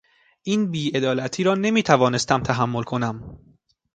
این بیعدالتی را نمیتوانستم تحمل کنم.